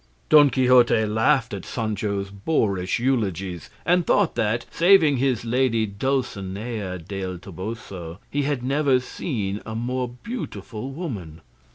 '" Don Quixote laughed at Sancho's boorish eulogies and thought that, saving his lady Dulcinea del Toboso, he had never seen a more beautiful woman.